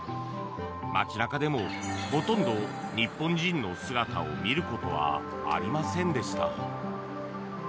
街中でもほとんど日本人の姿を見ることはありませんでした。